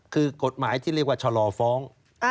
คือกฎหมายที่เรียกว่าชะลอฟ้อง